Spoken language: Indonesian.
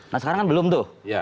nah sekarang kan belum tuh